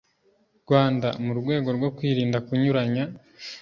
Rwanda mu rwego rwo kwirinda kunyuranya